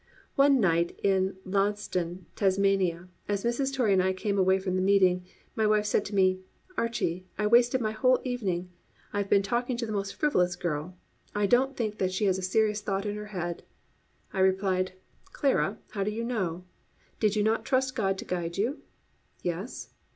One night in Launceston, Tasmania, as Mrs. Torrey and I came away from the meeting, my wife said to me, "Archie, I wasted my whole evening. I have been talking to the most frivolous girl. I don't think that she has a serious thought in her head." I replied, "Clara, how do you know? Did you not trust God to guide you?" "Yes."